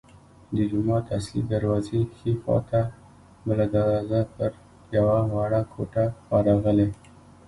د جومات اصلي دروازې ښي خوا ته بله دروازه پر یوه وړه کوټه ورغلې.